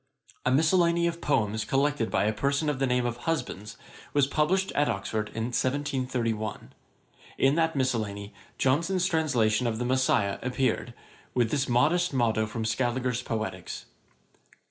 A Miscellany of Poems collected by a person of the name of Husbands, was published at Oxford in 1731. In that Miscellany Johnson's Translation of the Messiah appeared, with this modest motto from Scaliger's Poeticks.